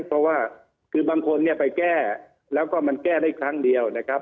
เพราะว่าคือบางคนเนี่ยไปแก้แล้วก็มันแก้ได้ครั้งเดียวนะครับ